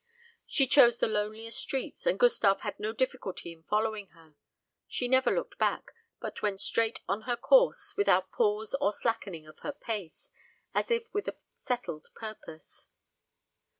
She chose the lonelier streets, and Gustave had no difficulty in following her; she never looked back, but went straight on her course, without pause or slackening of her pace, as if with a settled purpose.